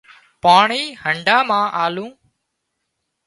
پاڻي هنڍا مان آلو